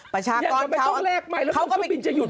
อยากจะไปท่องแรกใหม่แล้วเขาก็ไปเค้าบินจะหยุดบิน